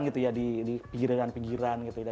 jadi ya di pinggiran pigiran gitu